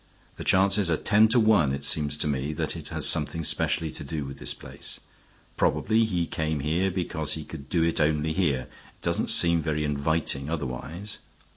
The chances are ten to one, it seems to me, that it had something specially to do with this place. Probably he came here because he could do it only here; it doesn't seem very inviting otherwise.